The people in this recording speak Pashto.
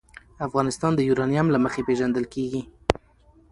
افغانستان د یورانیم له مخې پېژندل کېږي.